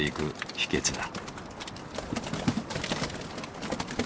秘けつだ。